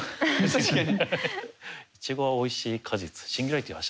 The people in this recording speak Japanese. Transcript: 確かに。